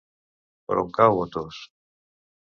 Per on cau Otos?